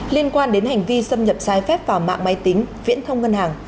liên quan đến hành vi xâm nhập sai phép vào mạng máy tính viễn thông ngân hàng